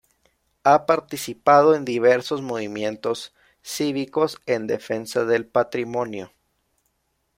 Ha participado en diversos movimientos cívicos en defensa del patrimonio.